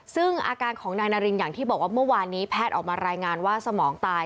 ซึ่งอาการของนายนารินอย่างที่บอกว่าเมื่อวานนี้แพทย์ออกมารายงานว่าสมองตาย